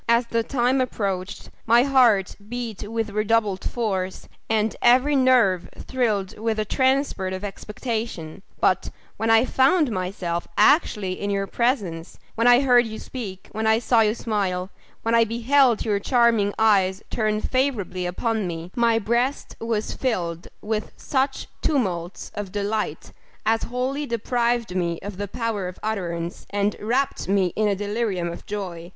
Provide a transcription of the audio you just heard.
as the time approached, my heart beat with redoubled force, and every nerve thrilled with a transport of expectation; but, when I found myself actually in your presence; when I heard you speak; when I saw you smile; when I beheld your charming eyes turned favourably upon me; my breast was filled with such tumults of delight, as wholly deprived me of the power of utterance, and wrapt me in a delirium of joy!